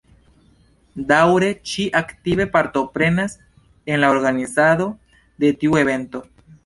Daŭre ŝi aktive partoprenas en la organizado de tiu evento.